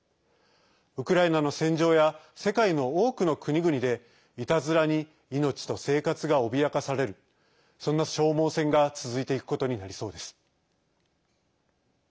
ウクライナの戦場や世界の多くの国々でいたずらに命と生活が脅かされるその消耗戦が続いていくことになりそうです。